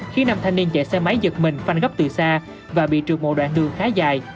khiến năm thanh niên chạy xe máy giật mình phanh gấp từ xa và bị trừ một đoạn đường khá dài